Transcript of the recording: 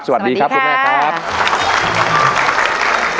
สวัสดีครับคุณแม่ครับสวัสดีครับ